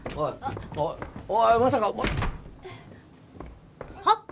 おいおいまさか。はあ！？